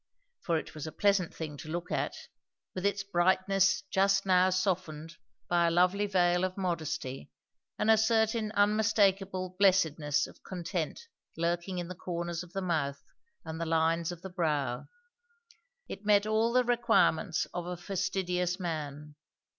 For it was a pleasant thing to look at, with its brightness just now softened by a lovely veil of modesty, and a certain unmistakeable blessedness of content lurking in the corners of the mouth and the lines of the brow. It met all the requirements of a fastidious man.